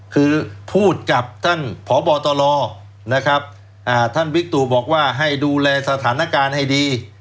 คือพูดกับท่านพบตรนะครับท่านบิ๊กตุบอกว่าให้ดูแลสถานการณ์ให้ดี